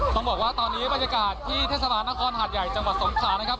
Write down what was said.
ต้องบอกว่าตอนนี้บรรยากาศที่เทศบาลนครหาดใหญ่จังหวัดสงขานะครับ